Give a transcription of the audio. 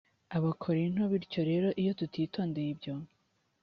abakorinto bityo rero iyo tutitondeye ibyo